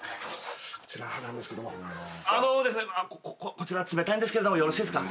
こちら冷たいんですけどよろしいですか？